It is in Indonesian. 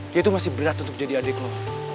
dia tuh masih berat untuk jadi adik lo